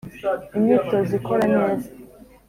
imyitozo ikora neza